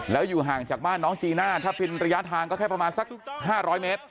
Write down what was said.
แล้วอยู่ห่างจากบ้านน้องจีน่าถ้าเป็นระยะทางก็แค่ประมาณสัก๕๐๐เมตร